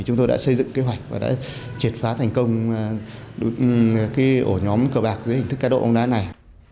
chúng tôi đã xây dựng kế hoạch và đã triệt phá thành công ổ nhóm cờ bạc dưới hình thức cá độ bóng đá này